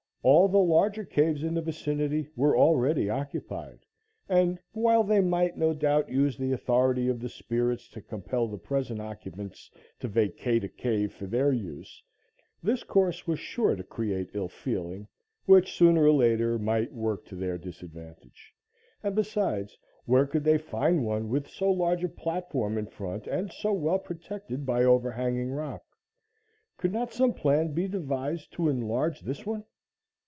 All the larger caves in the vicinity were already occupied, and, while they might no doubt use the authority of the spirits to compel the present occupants to vacate a cave for their use, this course was sure to create ill feeling which, sooner or later, might work to their disadvantage; and, besides, where could they find one with so large a platform in front and so well protected by overhanging rock. Could not some plan be devised to enlarge this one?